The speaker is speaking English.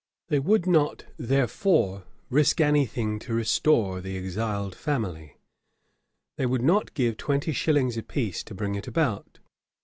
They would not, therefore, risk any thing to restore the exiled family. They would not give twenty shillings a piece to bring it about.